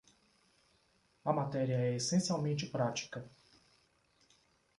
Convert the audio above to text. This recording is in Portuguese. A matéria é essencialmente prática.